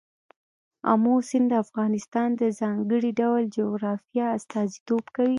آمو سیند د افغانستان د ځانګړي ډول جغرافیه استازیتوب کوي.